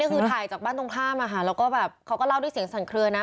ก็คือถ่ายจากบ้านตรงข้ามอะค่ะแล้วก็แบบเขาก็เล่าด้วยเสียงสั่นเคลือนะ